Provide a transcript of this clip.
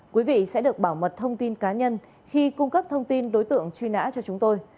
quý vị sẽ được bảo mật thông tin cá nhân khi cung cấp thông tin đối tượng truy nã cho chúng tôi